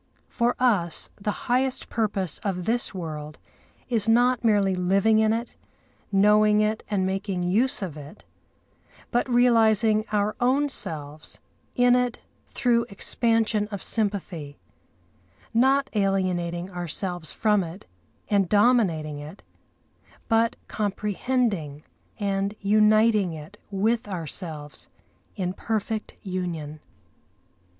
For us the highest purpose of this world is not merely living in it, knowing it and making use of it, but realising our own selves in it through expansion of sympathy; not alienating ourselves from it and dominating it, but comprehending and uniting it with ourselves in perfect union.